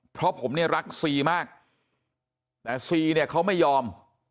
เพราะผมเนี่ยรักซีมากแต่ซีเนี่ยเขาไม่ยอม